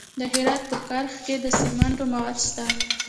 د هرات په کرخ کې د سمنټو مواد شته.